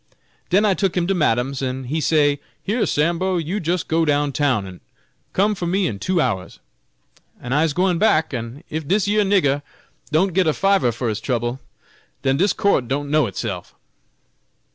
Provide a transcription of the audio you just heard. Den I took him to Madam's, and he say, 'Here, Sambo, you jus' go down town, an' come fur me in two hours;' an' I's gwine back, an' if dis yer nigga don't get a fiver for his trouble, den dis court don't know itself!"